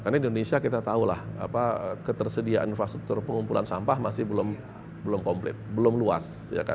karena di indonesia kita tahulah apa ketersediaan infrastruktur pengumpulan sampah masih belum complete belum luas